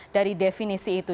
dari definisi itu